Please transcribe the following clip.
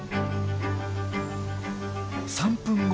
３分後。